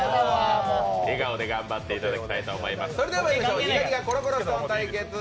笑顔で頑張っていただきたいと思います。